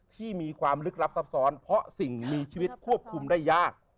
ที่มีความลึกลับซับซ้อนเพราะสิ่งมีชีวิตควบคุมได้ยาก